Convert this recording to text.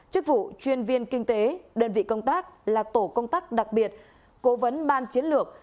chức vụ chuyên viên kinh tế đơn vị công tác là tổ công tác đặc biệt cố vấn ban chiến lược